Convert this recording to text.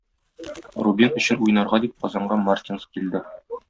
Рубин өчен уйнарга дип Казанга Мартинс килде.